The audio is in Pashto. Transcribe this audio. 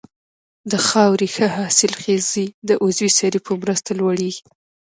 د خاورې ښه حاصلخېزي د عضوي سرې په مرسته لوړیږي.